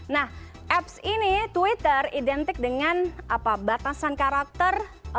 nah apps ini twitter identik dengan batasan karakter